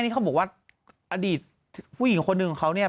อดีตผู้หญิงคนหนึ่งเขาเนี่ย